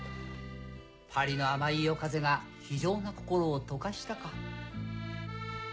パリの甘い夜風が非情な心を溶かしたか。